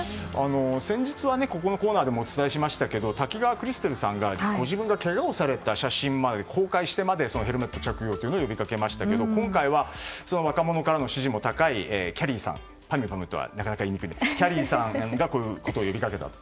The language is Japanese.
先日は、このコーナーでもお伝えしましたが滝川クリステルさんがご自分が、けがをされた写真を公開してまでヘルメット着用を呼びかけましたが今回は、若者からの支持も高いきゃりーさんがこういうことを呼びかけたと。